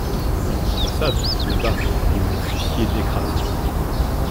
Dans les ambassades, là-bas, vous vous fussiez décrassé.